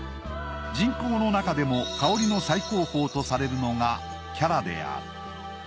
沈香の中でも香りの最高峰とされるのが伽羅である。